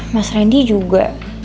mas randy juga